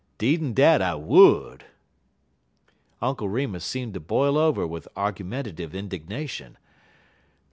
Deed'n dat I would!" Uncle Remus seemed to boil over with argumentative indignation.